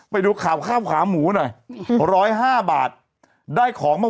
เป็นการกระตุ้นการไหลเวียนของเลือด